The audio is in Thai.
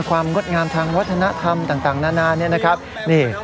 งดงามทางวัฒนธรรมต่างนานาเนี่ยนะครับนี่